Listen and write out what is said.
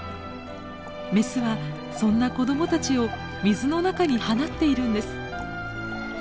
メスはそんな子どもたちを水の中に放っているんです。